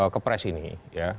kepres ini ya